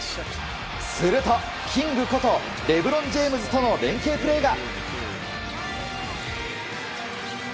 すると、キングことレブロン・ジェームズとの連係プレーが。